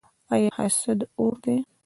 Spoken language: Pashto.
آیا حسد اور دی؟